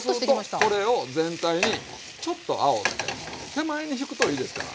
そうするとこれを全体にちょっとあおって手前に引くといいですから。